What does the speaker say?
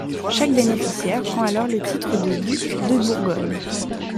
Chaque bénéficiaire prend alors le titre de duc de Bourgogne.